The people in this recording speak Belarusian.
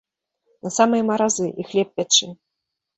На самыя маразы, і хлеб пячы.